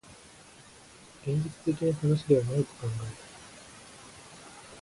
現実的な話ではないと考えた